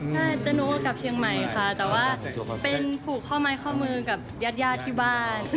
น่าจะหนูเอากลับเชียงใหม่ค่ะแต่ว่าเป็นผูกข้อไม้ข้อมือกับญาติญาติที่บ้าน